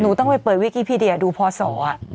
หนูต้องไปเปิดวิกิพีเดียดูพ่อสออะ